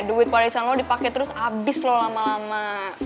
duit warisan lo dipakai terus abis lo lama lama